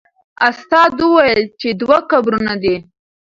استاد وویل چې دوه قبرونه دي.